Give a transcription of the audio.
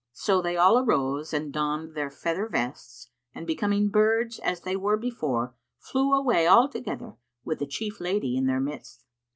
So they all arose and donned their feather vests, and becoming birds as they were before, flew away all together, with the chief lady in their midst.